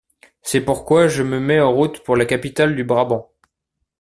C'est pourquoi je me mets en route pour la capitale du Brabant.